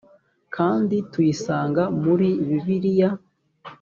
kandi tuyisanga muri bibiliya